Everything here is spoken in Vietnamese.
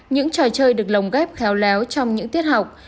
những trò chơi được lồng ghép khéo léo trong những tiết học